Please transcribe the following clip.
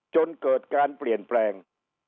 จนเกิดการเปลี่ยนแปลง